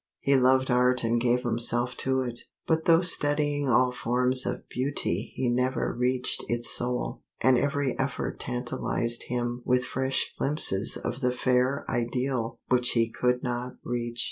He loved art and gave himself to it; but though studying all forms of beauty he never reached its soul, and every effort tantalized him with fresh glimpses of the fair ideal which he could not reach.